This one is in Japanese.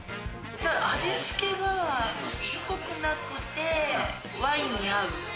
味付けがしつこくなくて、ワインに合う。